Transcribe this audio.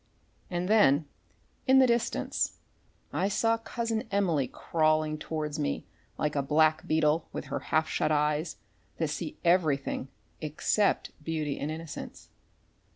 And then, in the distance, I saw Cousin Emily crawling towards me like a black beetle with her half shut eyes that see everything except beauty and innocence.